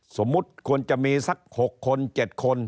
สมมุติควรจะมีสัก๖คน๗คน